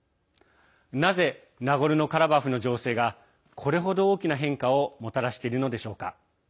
なぜナゴルノカラバフの情勢がこれ程、大きな変化をもたらしているのでしょうか。